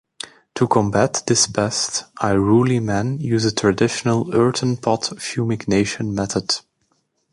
To combat this pest, Irula men use a traditional earthen pot fumigation method.